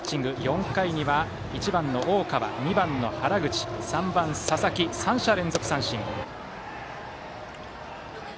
４回には１番の大川、２番の原口３番の佐々木と３者連続三振。